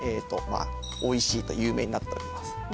まあおいしいと有名になっております